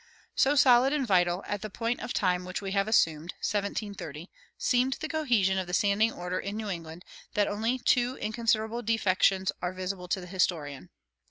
So solid and vital, at the point of time which we have assumed (1730), seemed the cohesion of the "standing order" in New England, that only two inconsiderable defections are visible to the historian.